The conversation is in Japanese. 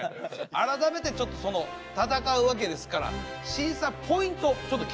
改めてちょっと戦うわけですから審査ポイントちょっと聞いとこう。